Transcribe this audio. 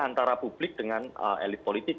antara publik dengan elit politik